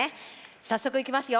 早速いきますよ。